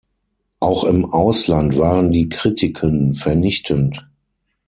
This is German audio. Auch im Ausland waren die Kritiken vernichtend.